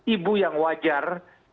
ibu yang wajar